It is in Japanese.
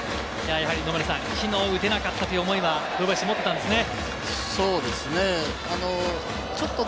やはりきのう、打てなかったという思いは堂林、持っていたんですね。